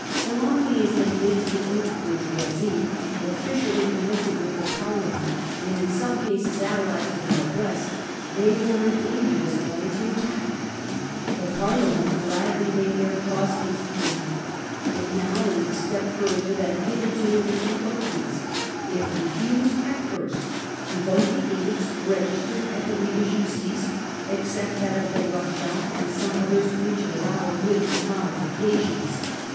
Belonging as they did to the haute bour geoisie, , officially connected with the Parlement , and in some cases allied to the noblesse , they were a dangerous body to attack. The Parlement glad ly made their cause its Continued own. It now went a step further than hitherto mentfof* ' m * ts encroachments. It refused at first to Parlement. vo te the edicts registered at the lit de justice , except that of the r achat, and some others which it allowed with modifications.